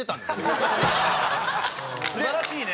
山崎：素晴らしいね。